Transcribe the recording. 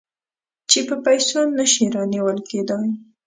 چې په پیسو نه شي رانیول کېدای.